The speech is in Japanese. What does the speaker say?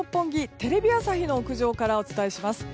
テレビ朝日の屋上からお伝えします。